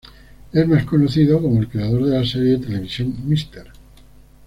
Es más conocido como el creador de la serie de televisión Mr.